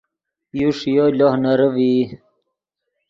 یو ݰییو لوہ نرے ڤئی